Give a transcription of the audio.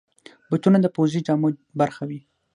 بوټونه د پوځي جامو برخه وي.